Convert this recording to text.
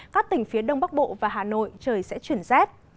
các tỉnh phía đông bắc bộ và hà nội trời sẽ chuyển rét